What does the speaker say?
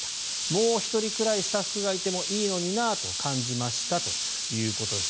もう１人くらいスタッフがいてもいいのになと感じましたということです。